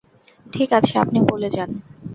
ঠিক আছে, আপনি বলে যান।